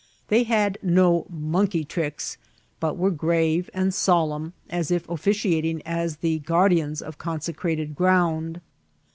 Thc^y had BO ^ monkey tricks,*' but were grave and solemn as if officiating as the goardians of consecrated ground.